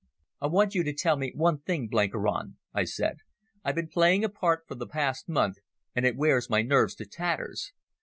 "I want you to tell me one thing, Blenkiron," I said. "I've been playing a part for the past month, and it wears my nerves to tatters.